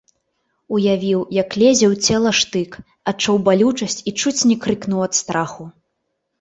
Уявіў, як лезе ў цела штык, адчуў балючасць і чуць не крыкнуў ад страху.